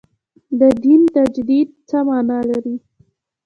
د دین تجدید څه معنا لري.